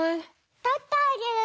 とってあげる。